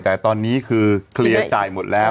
แต่ตอนนี้คือเคลียร์จ่ายหมดแล้ว